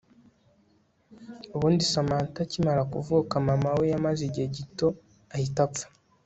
Ubundi Samantha akimara kuvuka mama we yamaze igihe gito ahita apfa